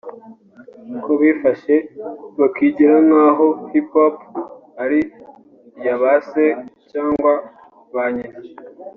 ko ``bifashe bakigira nk’aho Hip Hop ari iya ba se cyangwa ba nyina’’